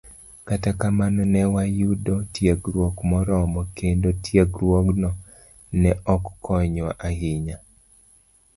Kata kamano, ne wayudo tiegruok moromo, kendo tiegruokno ne ok konywa ahinya